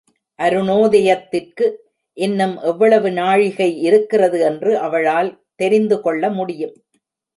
அருணோதயத்திற்கு இன்னும் எவ்வளவு நாழிகை இருக்கிறது என்று அவளால் தெரிந்து கொள்ளமுடியும்.